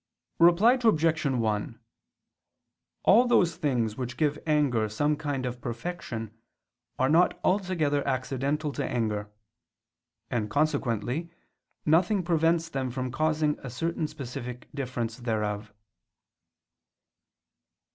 Reply Obj. 1: All those things which give anger some kind of perfection are not altogether accidental to anger; and consequently nothing prevents them from causing a certain specific difference thereof.